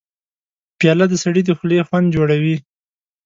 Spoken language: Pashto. پیاله د سړي د خولې خوند جوړوي.